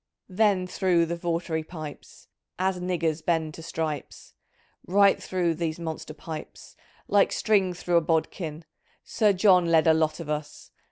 "Then through the Vartry pipes As niggers bend to stripes. Right through these monster pipes, Like string through a bodkin. Sir John led a lot of us.